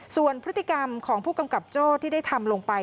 ส่วนพฤติกรรมของผู้กำกับโจ้ที่ได้ทำลงไป